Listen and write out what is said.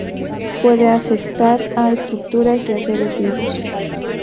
Puede afectar a estructuras y a seres vivos.